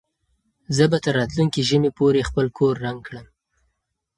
زه به تر راتلونکي ژمي پورې خپل کور رنګ کړم.